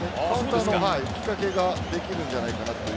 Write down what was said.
縦のきっかけができるんじゃないかなと。